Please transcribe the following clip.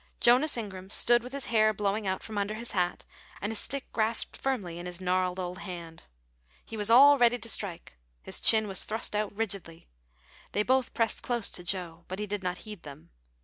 Jonas Ingram stood with his hair blowing out from under his hat and his stick grasped firmly in his gnarled old hand. He was all ready to strike. His chin was thrust out rigidly. They both pressed close to Joe, but he did not heed them.